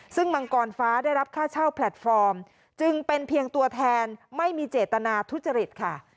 ซึ่งมังกรฟ้าได้รับค่าเช่าแพลตฟอร์มจึงเป็นเพียงตัวแทนไม่มีเจตนาทุจริตค่ะ